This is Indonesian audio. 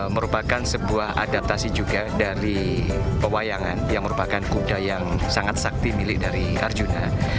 merupakan sebuah adaptasi juga dari pewayangan yang merupakan kuda yang sangat sakti milik dari arjuna